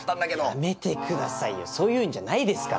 やめてくださいよそういうんじゃないですから。